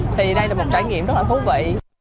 thì đây là một trải nghiệm rất là thú vị